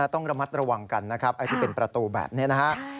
ต้องระมัดระวังกันนะครับไอ้ที่เป็นประตูแบบนี้นะครับ